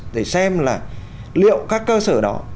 để xem là liệu các cơ sở đó